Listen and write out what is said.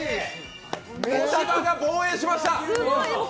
小柴が防衛しました。